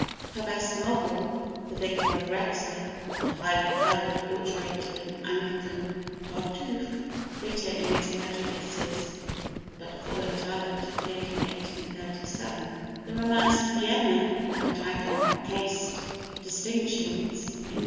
Her best novel, "The Vicar of Wrexhill" a highly coloured portrait of an Anglican Tartuffe, bitter in its prejudices, but full of talent appeared in 1837; the "Romance of Vienna," an attack on caste distinctions, in 1838.